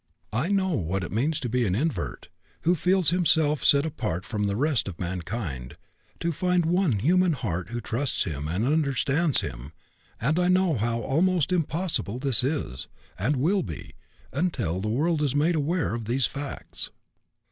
I know what it means to an invert who feels himself set apart from the rest of mankind to find one human heart who trusts him and understands him, and I know how almost impossible this is, and will be, until the world is made aware of these facts."